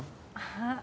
ああ。